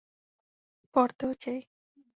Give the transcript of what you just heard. পরতে ও চাই।